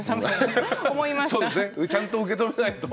ちゃんと受け止めないと。